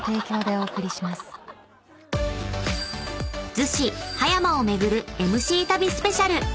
［逗子・葉山を巡るＭＣ旅スペシャル］